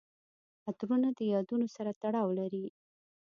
عطرونه د یادونو سره تړاو لري.